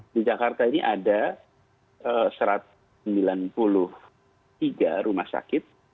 di jakarta ini ada satu ratus sembilan puluh tiga rumah sakit